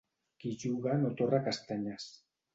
Qui juga no torra castanyes.